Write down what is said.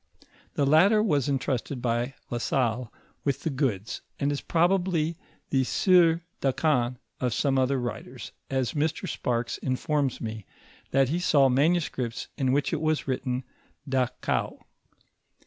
The latter was intrusted by La Salle with the goods, and is probably the sieur Dacan of some other writers, as Mr. Sparks informs me, that he saw manuscripts in which it was written d'Acau.